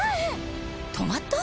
止まった？